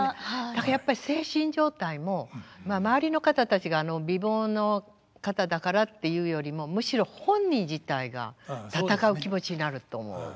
だからやっぱり精神状態もまあ周りの方たちが美貌の方だからっていうよりもむしろ本人自体が戦う気持ちになると思う。